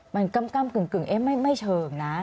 มันกำกำกึ่งเอ๊ะไม่เฉิงนะ